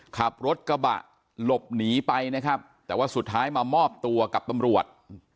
ขับรถกระบะหลบหนีไปนะครับแต่ว่าสุดท้ายมามอบตัวกับตำรวจ